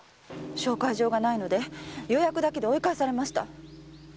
紹介状がないので予約だけで追い返されました。